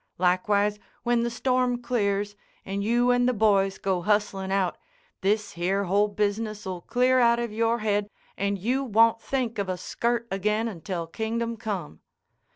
Likewise, when the storm clears, and you and the boys go hustlin' out, this here whole business 'll clear out of your head and you won't think of a skirt again until Kingdom Come.